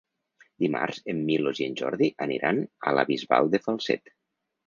Dimarts en Milos i en Jordi aniran a la Bisbal de Falset.